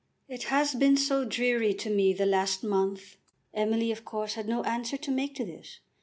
"It has been so dreary to me, the last month!" Emily of course had no answer to make to this.